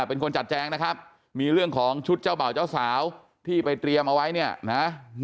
เป็นคนจัดแจงนะครับมีเรื่องของชุดเจ้าบ่าวเจ้าสาวที่ไปเตรียมเอาไว้เนี่ยนะ